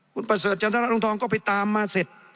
คุณประเสริฐจันทรรงทองก็ไปตามมาเสร็จ